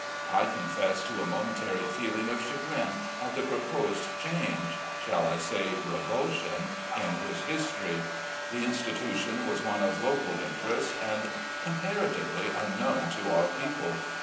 I confess to a momentary feeling of chagrin at the proposed change (shall I say revulsion?) in his history. The institution was one of local interest, and comparatively unknown to our people.